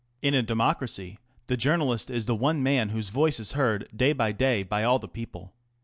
In a democracy the journalist is the one man whose voice is heard day by day by all the people.